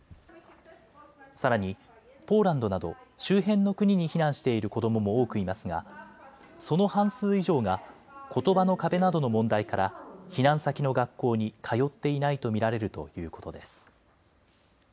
さらにポーランドなど周辺の国に避難している子どもも多くいますがその半数以上がことばの壁などの問題から避難先の学校に通っていないと見られるということです。